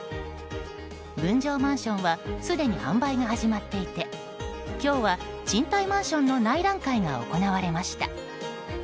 分譲マンションはすでに販売が始まっていて今日は賃貸マンションの内覧会が行われました。